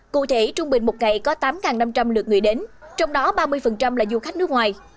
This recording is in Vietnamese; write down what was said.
cụ thể trung bình một ngày có tám năm trăm linh lượt người đến trong đó ba mươi là du khách nước ngoài